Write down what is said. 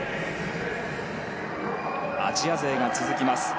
アジア勢が続きます。